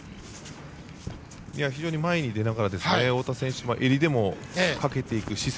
非常に前に出ながら太田選手は襟でもかけていく姿勢。